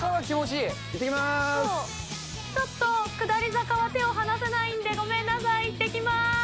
ちょっと、下り坂は手を離せないんで、ごめんなさい、いってきます。